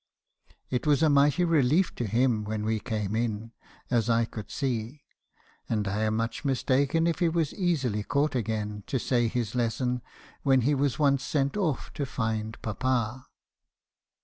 It was a mighty relief to him when we came in , as I could see ; and I am much mistaken if he was easily caught again to say his lesson, when he was once sent off to find papa.